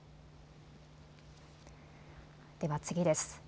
では次です。